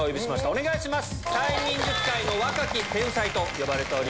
お願いします。